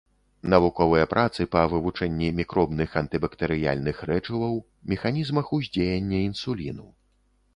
Навуковыя працы па вывучэнні мікробных антыбактэрыяльных рэчываў, механізмах уздзеяння інсуліну.